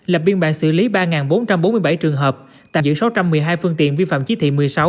lập biên bản xử lý ba bốn trăm bốn mươi bảy trường hợp tạm giữ sáu trăm một mươi hai phương tiện vi phạm chí thị một mươi sáu